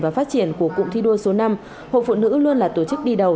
và phát triển của cụm thi đua số năm hội phụ nữ luôn là tổ chức đi đầu